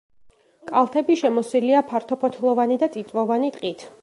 კალთები შემოსილია ფართოფოთლოვანი და წიწვოვანი ტყით.